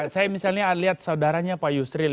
saya misalnya lihat saudaranya pak yusril